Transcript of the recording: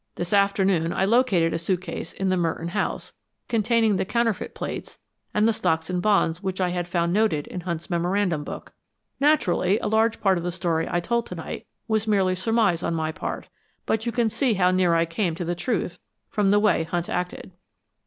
This afternoon I located a suitcase in the Merton house, containing the counterfeit plates, and the stocks and bonds which I had found noted in Hunt's memorandum book. Naturally, a large part of the story I told tonight was merely surmise on my part, but you can see how near I came to the truth from the way Hunt acted."